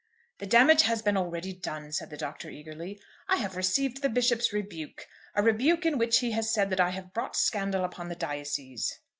"The damage has been already done," said the Doctor, eagerly. "I have received the Bishop's rebuke, a rebuke in which he has said that I have brought scandal upon the diocese."